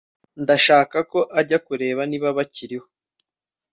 Ndashaka ko ujya kureba niba bikiriho